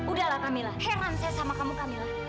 udahlah kamila heran saya sama kamu kamila